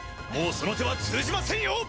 もうその手は通じませんよ！